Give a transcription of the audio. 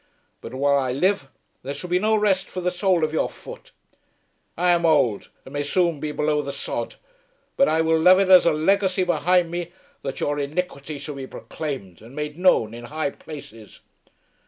But while I live there shall be no rest for the sole of your foot. I am ould, and may soon be below the sod, but I will lave it as a legacy behind me that your iniquity shall be proclaimed and made known in high places.